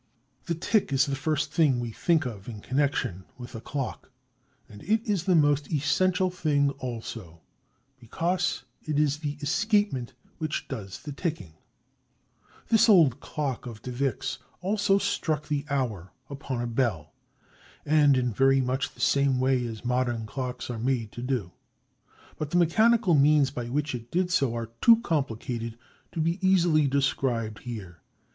The tick is the first thing we think of in connection with a clock; and it is the most essential thing also, because it is the escapement which does the ticking. This old clock of de Vick's also struck the hours upon a bell and in very much the same way as modern clocks are made to do. But the mechanical means by which it did so are too complicated to be easily described here.